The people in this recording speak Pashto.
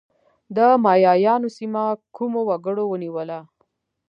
د مایایانو سیمه کومو وګړو ونیوله؟